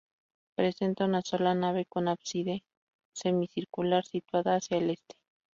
Presenta una sola nave con ábside semicircular situado hacia el este.